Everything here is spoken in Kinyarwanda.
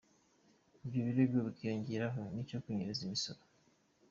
Ibyo birego bikiyongeraho n’icyo kunyereza imisoro.